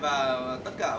chào anh hỏi về xe khó không